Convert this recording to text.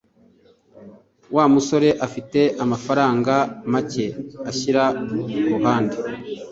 Wa musore afite amafaranga make ashyira kuruhande.